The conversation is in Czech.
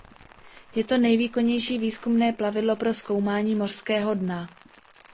Je to nejvýkonnější výzkumné plavidlo pro zkoumání mořského dna.